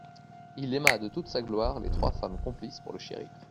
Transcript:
Il aima de toute sa gloire les trois femmes complices pour le chérir.